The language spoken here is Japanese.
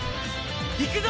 いくぞ！